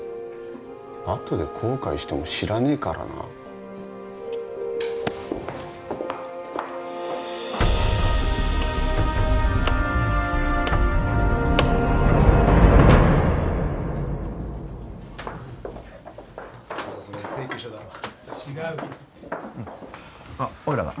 あとで後悔しても知らねえからな請求書だあッおいらは？